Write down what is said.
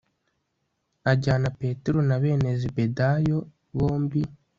ajyana petero na bene zebedayo bombi